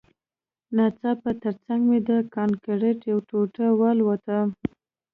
ناڅاپه ترڅنګ مې د کانکریټ یوه ټوټه والوته